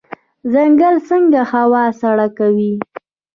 ځنګل څنګه هوا سړه کوي؟